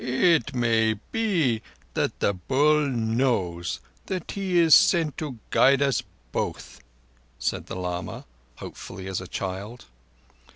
"It may be that the Bull knows—that he is sent to guide us both." said the lama, hopefully as a child.